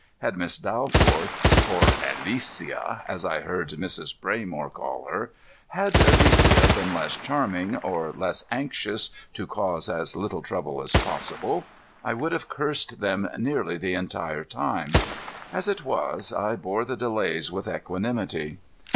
Had Miss Dalforth or Alicia, as I heard Mrs. Braymore call her had Alicia been less charming, or less anxious to cause as little trouble as possible, I would have cursed them nearly the entire time. As it was, I bore the delays with equanimity.